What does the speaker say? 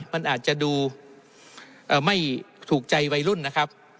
มันอาจจะดูไม่ถูกใจวัยรุ่นนะครับ